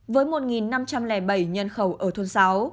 với một năm trăm linh bảy nhân khẩu ở thôn sáu